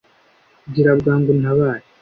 gira bwangu untabare